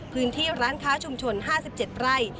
พื้นที่ร้านค้าชุมชน๕๗ไร่